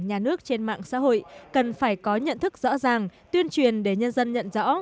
nhà nước trên mạng xã hội cần phải có nhận thức rõ ràng tuyên truyền để nhân dân nhận rõ